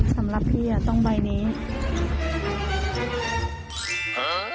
สำหรับพี่เหรอ